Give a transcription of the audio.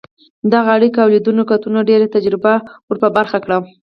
د هغه اړیکو او لیدنو کتنو ډېره تجربه ور په برخه کړه.